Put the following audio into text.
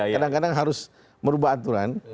kadang kadang harus merubah aturan